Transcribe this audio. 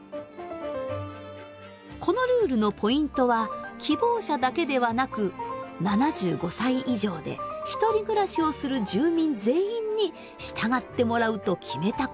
このルールのポイントは希望者だけではなく７５歳以上でひとり暮らしをする住民全員に従ってもらうと決めたことです。